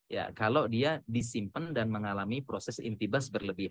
ya kalau dia disimpan dan mengalami proses intibas berlebihan